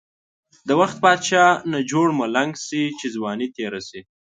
د وخت بادشاه نه جوړ ملنګ شی، چی ځوانی تیره شی.